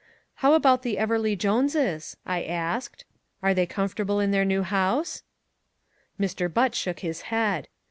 "How about the Everleigh Joneses?" I asked. "Are they comfortable in their new house?" Mr. Butt shook his head.